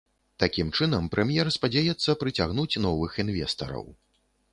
Такім чынам прэм'ер спадзяецца прыцягнуць новых інвестараў.